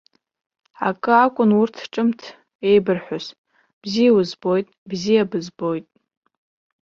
Акы акәын урҭ ҿымҭ еибырҳәоз, бзиа узбоит, бзиа бызбоит.